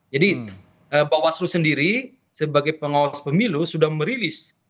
jadi bawaslu sendiri sebagai pengawas pemilu sudah merilis